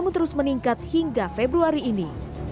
namun terus meningkat hingga februari ini